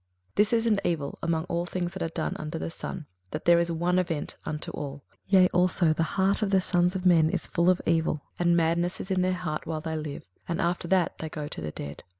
21:009:003 This is an evil among all things that are done under the sun, that there is one event unto all: yea, also the heart of the sons of men is full of evil, and madness is in their heart while they live, and after that they go to the dead.